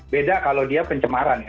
beda kalau dia pencemaran ya